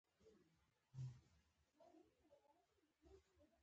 د تجارت د بین الایالتي قانون تصویب شو.